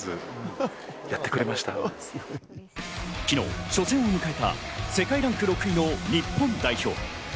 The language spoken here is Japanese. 昨日、初戦を迎えた世界ランク６位の日本代表。